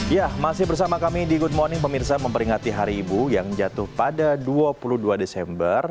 ya masih bersama kami di good morning pemirsa memperingati hari ibu yang jatuh pada dua puluh dua desember